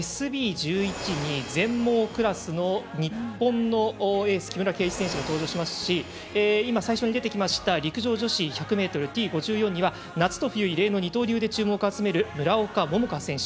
１１に全盲クラスの日本のエース木村敬一選手が登場しますし陸上女子１００ｍＴ５４には夏の冬、異例の二刀流で注目を集める村岡桃佳選手。